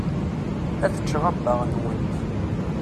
Ad ččeɣ abbaɣ-nwent.